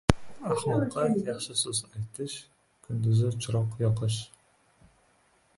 • Ahmoqqa yaxshi so‘z aytish — kunduzi chiroq yoqish.